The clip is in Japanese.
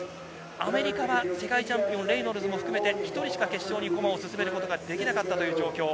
アメリカは世界チャンピオン、レイノルズも含めて１人しか決勝に駒を進めることはできなかったという状況。